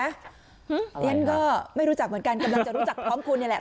อื้มอะไรครับฉันก็ไม่รู้จักเหมือนกันกำลังจะรู้จักพร้อมคุณเนี่ยแหละ